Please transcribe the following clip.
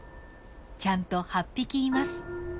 ちゃんと８匹います。